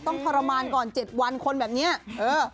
ทรมานก่อน๗วันคนแบบนี้เออ